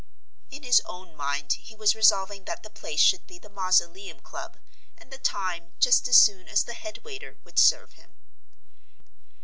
In his own mind he was resolving that the place should be the Mausoleum Club and the time just as soon as the head waiter would serve him.